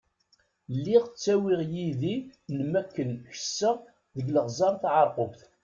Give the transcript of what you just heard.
Lliɣ ttawiɣ yid-i n makken kesseɣ deg Iɣzeṛ Tɛerqubt.